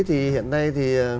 thì hiện nay thì